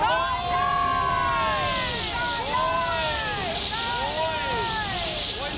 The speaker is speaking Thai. โดยเลยโดยเลย